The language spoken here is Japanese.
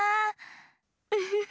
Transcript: ウフフ。